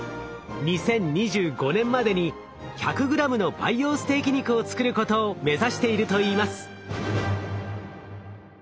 ２０２５年までに１００ｇの培養ステーキ肉を作ることを目指しているといいます。